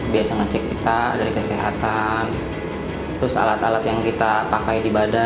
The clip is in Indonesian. biasa ngecek kita dari kesehatan terus alat alat yang kita pakai di badan